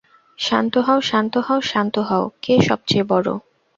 শান্ত হও শান্ত হও, শান্ত হও কে সবচেয়ে বড়?